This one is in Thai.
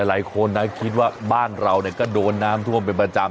หลายคนนะคิดว่าบ้านเราก็โดนน้ำท่วมเป็นประจำ